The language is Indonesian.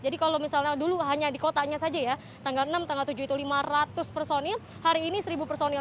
jadi kalau misalnya dulu hanya di kotanya saja ya tanggal enam tanggal tujuh itu lima ratus personil hari ini seribu personil